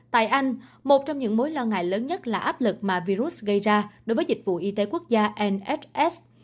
tại anh một trong những mối lo ngại lớn nhất là áp lực mà virus gây ra đối với dịch vụ y tế quốc gia